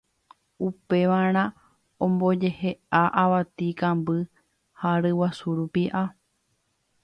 Upevarã ombojehe'a avati, kamby, ani ha ryguasu rupi'a